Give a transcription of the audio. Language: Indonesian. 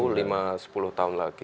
siapa tahu lima sepuluh tahun lagi